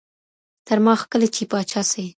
تر ما ښکلی چي پاچا سي